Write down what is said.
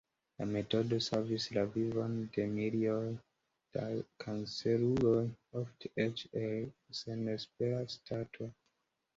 La metodo savis la vivon de miloj da kanceruloj, ofte eĉ el senespera stato.